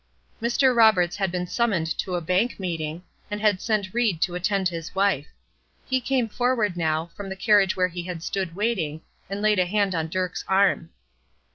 Mr. Roberts had been summoned to a bank meeting, and had sent Ried to attend his wife. He came forward now, from the carriage where he had stood waiting, and laid a hand on Dirk's arm.